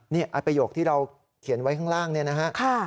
นี่ไอ้ประโยคที่เราเขียนไว้ข้างล่างเนี่ยนะฮะ